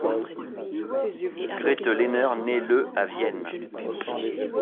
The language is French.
Grete Lehner naît le à Vienne.